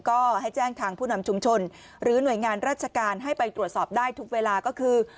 ก็ให้แจ้งทางผู้นำชุมชนหรือหน่วยงานราชการให้ไปตรวจสอบได้ทุกเวลาก็คือ